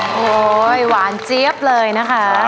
โอ้โหหวานเจี๊ยบเลยนะคะ